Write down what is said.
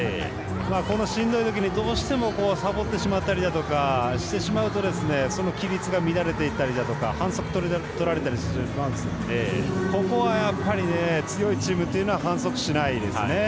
このしんどい時に、どうしてもサボってしまったりだとかしてしまうとその規律が乱れていったりだとか反則とられたりしますのでここは、やっぱり強いチームというのは反則しないですね。